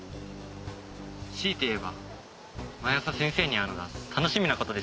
強いて言えば毎朝先生に会うのが楽しみな事でしょうか。